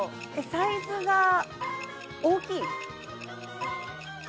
サイズが大きい？